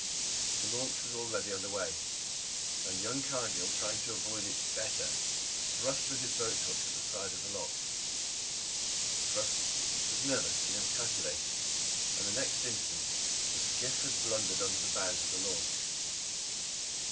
The launch was already under way, and young Cargill trying to avoid it better, thrust with his boat hook at the side of the lock. The thrust was nervous and ill calculated, and the next instant the skiff had blundered under the bows of the launch.